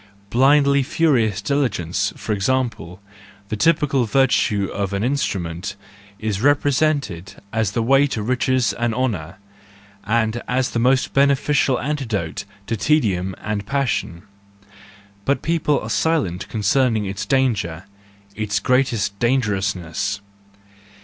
Blindly furious diligence, for example, the typical virtue of an instrument, is represented as the way to riches and honour, and as the most beneficial antidote to tedium and passion : but people are silent concern¬ ing its danger, its greatest dangerousness.